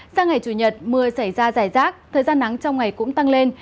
sao ngày chủ nhật mưa xảy ra dài rác thời gian nắng trong ngày cũng tăng lên